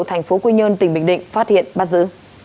tp hcm phát hiện bắt giữ